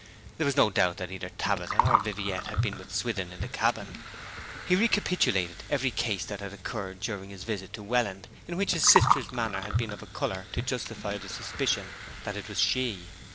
There was no doubt that either Tabitha or Viviette had been with Swithin in the cabin. He recapitulated every case that had occurred during his visit to Welland in which his sister's manner had been of a colour to justify the suspicion that it was she.